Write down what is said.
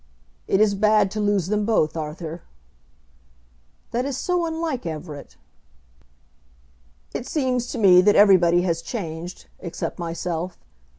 "It is bad to lose them both, Arthur." "That is so unlike Everett." "It seems to me that everybody has changed, except myself.